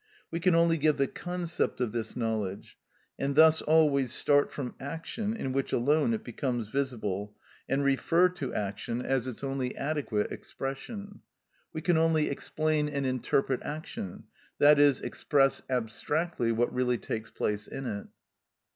We can only give the concept of this knowledge, and thus always start from action in which alone it becomes visible, and refer to action as its only adequate expression. We can only explain and interpret action, i.e., express abstractly what really takes place in it.